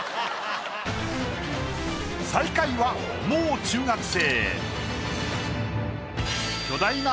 最下位はもう中学生。